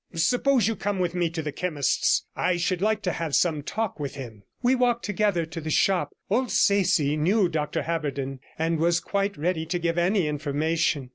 Suppose you come with me to the chemist's; I should like to have some talk with him.' We walked together to the shop; old Sayce knew Dr Haberden, and was quite ready to give any information.